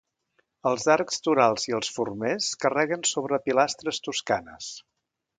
Els arcs torals i els formers carreguen sobre pilastres toscanes.